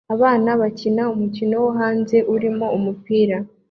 Abana bakina umukino wo hanze urimo umupira